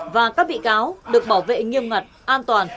và các bị cáo được bảo vệ nghiêm ngặt an toàn